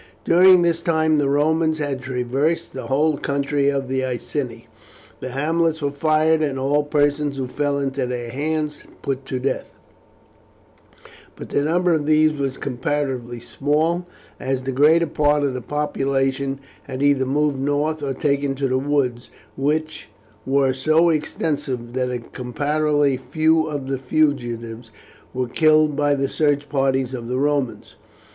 During this time the Romans had traversed the whole country of the Iceni. The hamlets were fired, and all persons who fell into their hands put to death; but the number of these was comparatively small, as the greater part of the population had either moved north or taken to the woods, which were so extensive that comparatively few of the fugitives were killed by the search parties of the Romans.